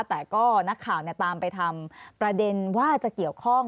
แต่ก็นักข่าวตามไปทำประเด็นว่าจะเกี่ยวข้อง